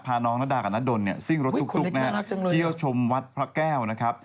พาน้องนาดากับนดลเนี่ยซิ่งรถตุ๊กนะฮะเที่ยวชมวัดพระแก้วนะครับ